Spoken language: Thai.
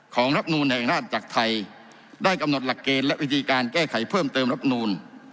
รับนูลแห่งราชจักรไทยได้กำหนดหลักเกณฑ์และวิธีการแก้ไขเพิ่มเติมรับนูล